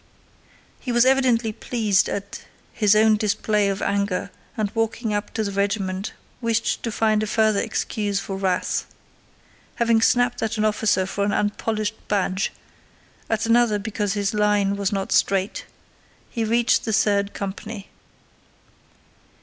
He was evidently pleased at his own display of anger and walking up to the regiment wished to find a further excuse for wrath. Having snapped at an officer for an unpolished badge, at another because his line was not straight, he reached the third company.